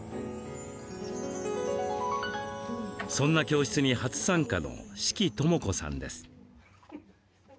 そんな教室に初参加の志岐朋子さんです。